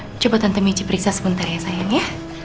wah coba tante michi periksa sebentar ya sayang ya